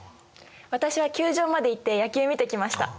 私は球場まで行って野球見てきました。